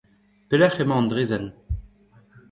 Pelec'h emañ an draezhenn ?